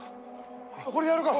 これやるから。